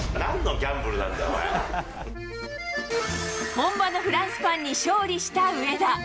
本場のフランスパンに勝利した上田。